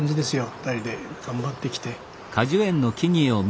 ２人で頑張ってきて。